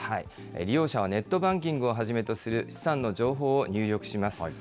利用者はネットバンキングをはじめとする資産の情報を入力します。